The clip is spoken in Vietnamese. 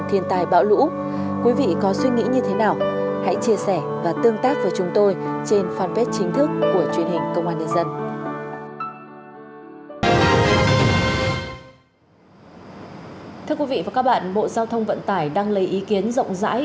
thưa quý vị và các bạn bộ giao thông vận tải đang lấy ý kiến rộng rãi